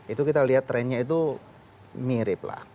itu kita lihat trennya itu mirip lah